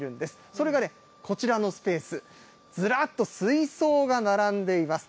それがね、こちらのスペース、ずらっと水槽が並んでいます。